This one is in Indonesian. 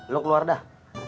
lo keluar dah